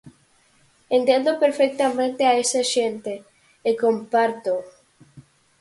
Entendo perfectamente a esa xente e compártoo.